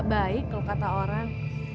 baik kalau kata orang